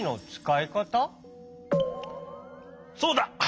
そうだ。